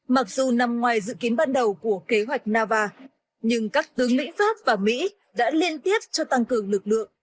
mặc dù nằm ngoài dự kiến ban đầu của kế hoạch nava nhưng các tướng mỹ pháp và mỹ đã liên tiếp cho tăng cường lực lượng